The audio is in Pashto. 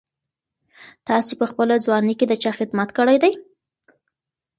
تاسي په خپله ځواني کي د چا خدمت کړی دی؟